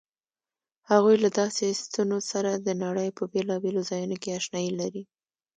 هغوی له داسې ستنو سره د نړۍ په بېلابېلو ځایونو کې آشنايي لري.